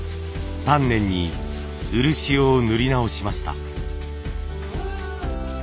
丹念に漆を塗り直しました。